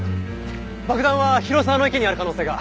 爆弾は広沢池にある可能性が。